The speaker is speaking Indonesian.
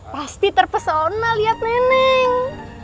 pasti terpesona liat neneng